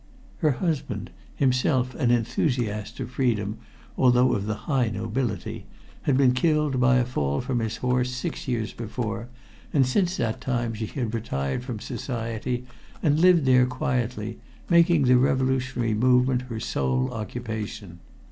Her husband, himself an enthusiast of freedom, although of the high nobility, had been killed by a fall from his horse six years before, and since that time she had retired from society and lived there quietly, making the revolutionary movement her sole occupation.